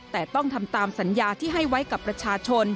แต่ต้องทำตามสัญญาที่ให้ไว้กับประชาชน